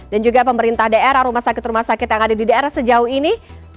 dan juga pemerintah daerah rumah sakit rumah sakit yang ada di daerah sejauh ini